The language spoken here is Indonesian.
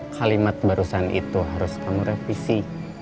kalimat barusan itu harus kamu revisi